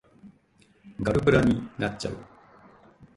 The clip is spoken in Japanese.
ガルプラになっちゃう